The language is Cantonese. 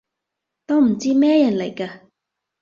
都唔知咩人嚟㗎